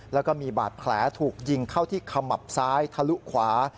แล้วก็มีบาดแผลถูกยิงเข้าที่ขมับซ้ายทะลุขวา